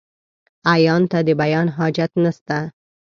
عيان ته ، د بيان حاجت نسته.